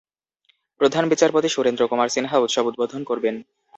প্রধান বিচারপতি সুরেন্দ্র কুমার সিনহা উৎসব উদ্বোধন করবেন।